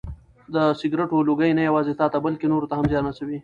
د سګرټو لوګی نه یوازې تاته بلکې نورو ته هم زیان رسوي.